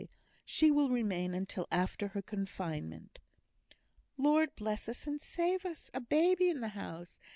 She will remain until after her confinement." "Lord bless us and save us! a baby in the house!